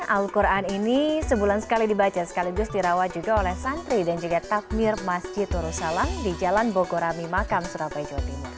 al quran ini sebulan sekali dibaca sekaligus dirawat juga oleh santri dan juga takmir masjid nurusalam di jalan bogorami makam surabaya jawa timur